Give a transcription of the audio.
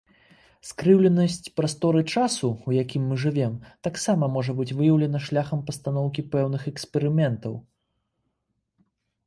Скрыўленасць прасторы-часу, у якім мы жывём, таксама можа быць выяўлена шляхам пастаноўкі пэўных эксперыментаў.